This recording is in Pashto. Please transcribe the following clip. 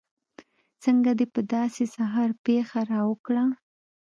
څنګه دې په داسې سهار پېښه راوکړه.